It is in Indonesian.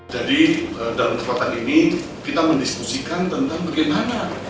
jadi dalam kesempatan ini kita mendiskusikan tentang bagaimana